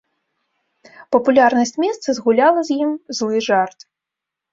Папулярнасць месца згуляла з ім злы жарт.